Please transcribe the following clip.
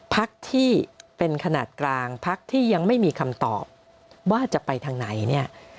พักที่เป็นขนาดกลางพักที่ยังไม่มีคำตอบว่าจะไปทางไหนเนี่ย